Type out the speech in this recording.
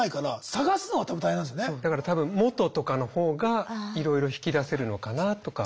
そうだから多分元とかの方がいろいろ引き出せるのかなとか。